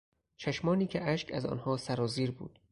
چشمانی که اشک از آنها سرازیر بود